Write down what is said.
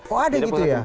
oh ada gitu ya